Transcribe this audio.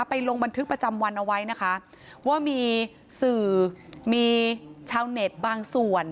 ลงบันทึกประจำวันเอาไว้นะคะว่ามีสื่อมีชาวเน็ตบางส่วน